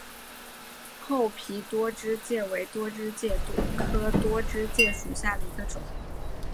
厚皮多枝介为多枝介科多枝介属下的一个种。